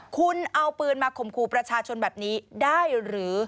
คุณเอาปืนมาข่มขู่ประชาชนแบบนี้ได้หรือ